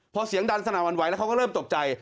พอเสียงดังสนั่นวันไหวแล้วเขาก็เริ่มตกใจ